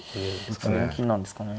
打つのは金なんですかね。